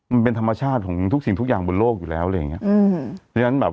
มันเป็นธรรมชาติของทุกสิ่งทุกอย่างบนโลกอยู่แล้วอะไรอย่างเงี้อืม